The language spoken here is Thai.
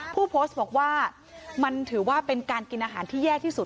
ผู้โพสต์บอกว่ามันถือว่าเป็นการกินอาหารที่แย่ที่สุด